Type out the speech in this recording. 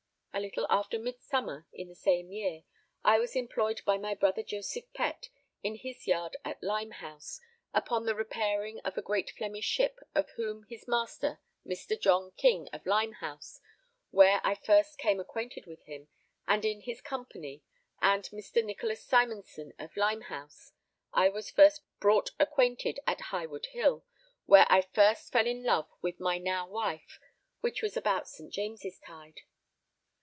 A little after midsummer in the same year, I was employed by my brother Joseph Pett, in his yard at Limehouse, upon the repairing of a great Flemish ship of whom was master Mr. John King of Limehouse, where I first came acquainted with him, and in his company and Mr. Nicolas Simonson of Limehouse, I was first brought acquainted at Highwood Hill where I first fell in love with my now wife, which was about St. James' tide.